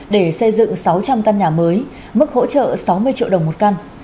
để xây dựng sáu trăm linh căn nhà mới mức hỗ trợ sáu mươi triệu đồng một căn